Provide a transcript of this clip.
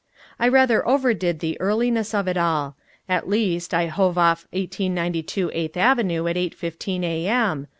I rather overdid the earliness of it all. At least, I hove off 1892 Eighth Avenue at eight fifteen A.M.